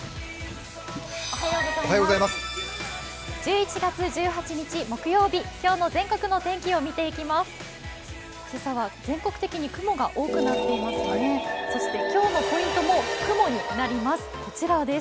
１１月１８日木曜日、今日も全国の天気、見ていきます。